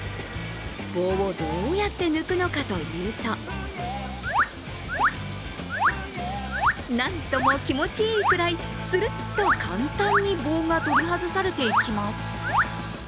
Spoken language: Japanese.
棒をどうやって抜くのかというとなんとも気持ちいいくらいするっと簡単に棒が取り外されていきます。